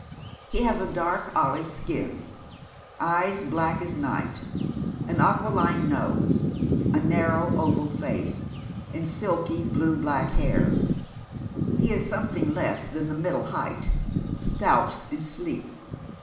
He has a dark olive skin, eyes black as night, an aquiline nose, a narrow oval face, and silky blue black hair. He is something less than the middle height, stout, and sleek.